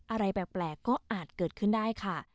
อะไรแปลกก็อาจเกิดขึ้นได้ค่ะ